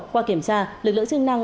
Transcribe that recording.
qua kiểm tra lực lượng chức năng